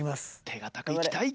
手堅くいきたい。